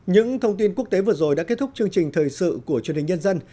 những thông tin quốc tế vừa rồi đã kết thúc chương trình thời sự của truyền hình nhân dân